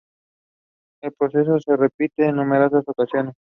El proceso se repite en numerosas ocasiones.